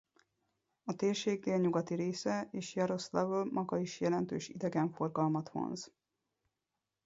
A térség délnyugati része és Jaroszlavl maga is jelentős idegenforgalmat vonz.